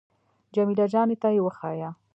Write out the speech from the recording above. جمیله جانې ته يې وښيه.